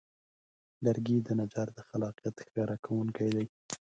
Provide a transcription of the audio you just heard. لرګی د نجار د خلاقیت ښکاره کوونکی دی.